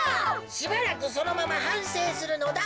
しばらくそのままはんせいするのだ。